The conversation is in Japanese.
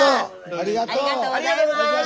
ありがとうございます。